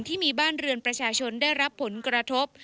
ที่มีบ้านเรือนประชาชนได้รับผลกระทบ